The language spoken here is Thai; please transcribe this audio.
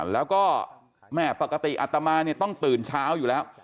แล้วก็แม่ปกติอัตมาเนี่ยต้องตื่นเช้าอยู่แล้ว